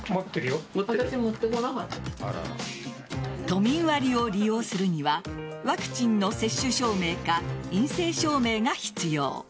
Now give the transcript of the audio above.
都民割を利用するにはワクチンの接種証明か陰性証明が必要。